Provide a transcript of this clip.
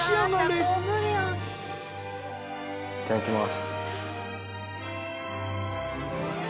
いただきます。